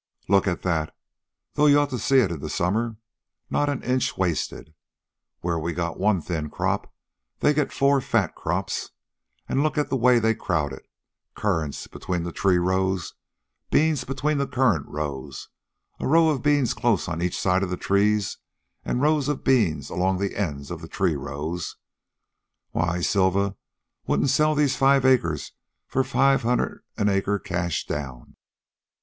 "Look at that though you ought to see it in summer. Not an inch wasted. Where we got one thin crop, they get four fat crops. An' look at the way they crowd it currants between the tree rows, beans between the currant rows, a row of beans close on each side of the trees, an' rows of beans along the ends of the tree rows. Why, Silva wouldn't sell these five acres for five hundred an acre cash down.